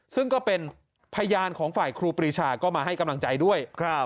ซึ่งก็เป็นพยานของฝ่ายครูปรีชาก็มาให้กำลังใจด้วย